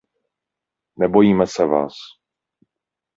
Nebojíme se vás.